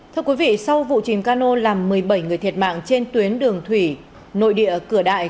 sau vụ chìm cano làm một mươi bảy người thiệt mạng trên tuyến đường thủy nội địa cửa đại